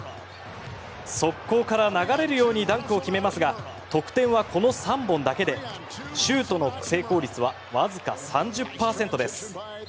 速攻から流れるようにダンクを決めますが得点はこの３本だけでシュートの成功率はわずか３０％です。